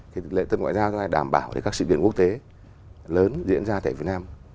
thì lễ tân ngoại giao này đảm bảo các sự kiện quốc tế lớn diễn ra tại việt nam